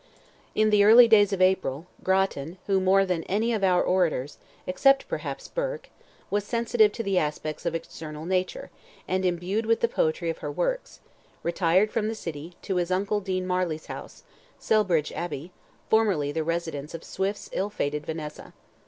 In the early days of April, Grattan, who, more than any of our orators, except perhaps Burke, was sensitive to the aspects of external nature, and imbued with the poetry of her works, retired from the city, to his uncle Dean Marlay's house, Cellbridge Abbey, formerly the residence of Swift's ill fated Vannessa.